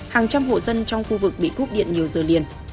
hàng trăm hộ dân trong khu vực bị cúp điện nhiều giờ liền